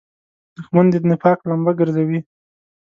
دښمن د نفاق لمبه ګرځوي